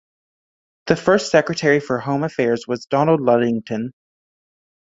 The first Secretary for Home Affairs was Donald Luddington.